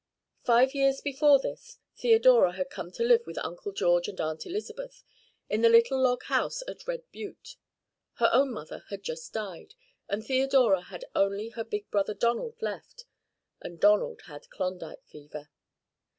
Five years before this, Theodora had come to live with Uncle George and Aunt Elizabeth in the little log house at Red Butte. Her own mother had just died, and Theodora had only her big brother Donald left, and Donald had Klondike fever.